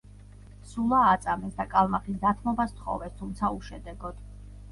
სულა აწამეს და კალმახის დათმობა სთხოვეს, თუმცა უშედეგოდ.